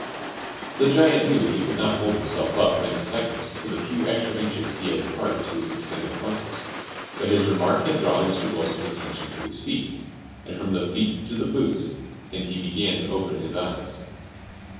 The giant knew he could not hold himself up many seconds to the few extra inches he had imparted to his extended muscles; but his remark had drawn Mr. Wilson's attention to his feet, and from the feet to the boots, and he began to open his eyes.